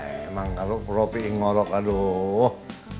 emang kalau propi ngorok aduh